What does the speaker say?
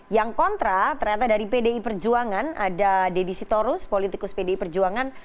yang kontra ternyata dari pdi perjuangan ada deddy sitorus politikus pdi perjuangan